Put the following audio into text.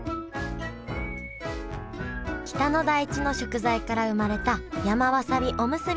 北の大地の食材から生まれた山わさびおむすび。